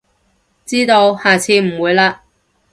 知道，下次唔會喇